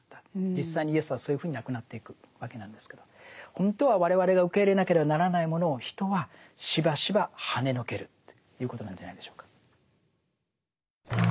実際にイエスはそういうふうに亡くなっていくわけなんですけど本当は我々が受け入れなければならないものを人はしばしばはねのけるということなんじゃないでしょうか。